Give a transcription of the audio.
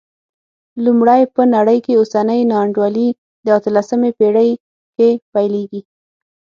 لومړی، په نړۍ کې اوسنۍ نا انډولي د اتلسمې پېړۍ کې پیلېږي.